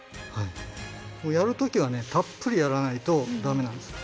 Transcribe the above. やる時はたっぷりやらないとダメなんです。